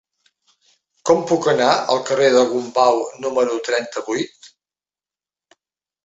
Com puc anar al carrer de Gombau número trenta-vuit?